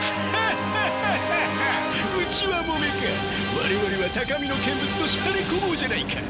我々は高みの見物としゃれ込もうじゃないか。